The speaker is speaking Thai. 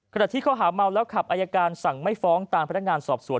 ขณะที่ข้อหาเมาแล้วขับอายการสั่งไม่ฟ้องตามพนักงานสอบสวน